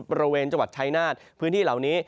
บริเวณจังหวัดชายนาฏพื้นที่เหล่านี้